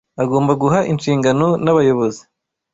Agomba guha inshingano n'abayobozi